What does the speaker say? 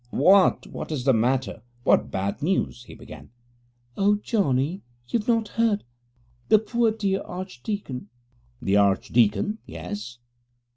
'What what is the matter? What bad news?' he began. 'Oh, Johnny, you've not heard? The poor dear archdeacon!' 'The archdeacon, yes?